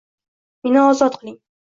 Meni ozod qiling.